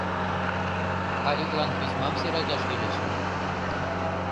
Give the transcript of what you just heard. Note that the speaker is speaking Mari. — Аликлан письмам сералташ кӱлеш ыле.